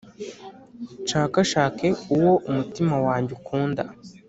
nshakashake uwo umutima wanjye ukunda.